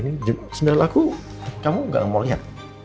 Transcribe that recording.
ini sebenarnya aku kamu gak mau lihat